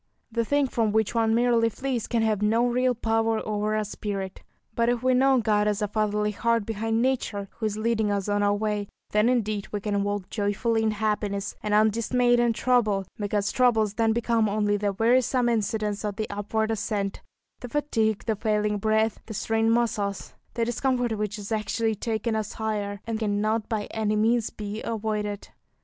The thing from which one merely flees can have no real power over our spirit; but if we know God as a fatherly Heart behind nature, who is leading us on our way, then indeed we can walk joyfully in happiness, and undismayed in trouble; because troubles then become only the wearisome incidents of the upward ascent, the fatigue, the failing breath, the strained muscles, the discomfort which is actually taking us higher, and cannot by any means be avoided.